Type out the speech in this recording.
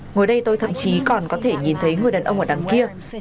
ngồi đây tôi thậm chí còn có thể nhìn thấy người đàn ông ở đằng kia